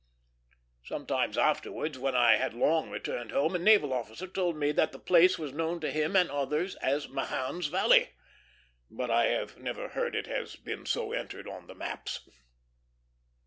Some time afterwards, when I had long returned home, a naval officer told me that the place was known to him and others as Mahan's Valley; but I have never heard it has been so entered on the maps.